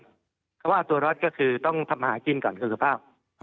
เพราะว่าเอาตัวรอดก็คือต้องทำหากินก่อนคือเปล่า